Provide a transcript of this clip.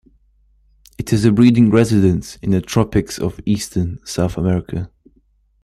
It is a breeding resident in the tropics of eastern South America.